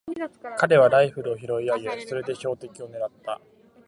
彼はライフルを拾い上げ、それで標的をねらった。